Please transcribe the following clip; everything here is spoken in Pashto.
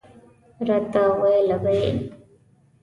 راته ویله به یې.